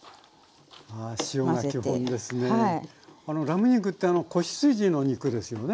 ラム肉って子羊の肉ですよね？